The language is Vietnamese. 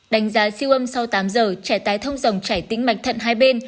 đánh giá siêu âm sau tám giờ trẻ tái thông dòng trải tĩnh mạch thận hai bên